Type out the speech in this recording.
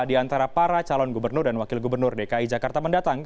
di antara para calon gubernur dan wakil gubernur dki jakarta mendatang